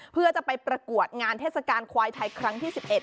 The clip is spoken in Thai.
เพื่อจะไปประกวดงานเทศกาลควายไทยครั้งที่๑๑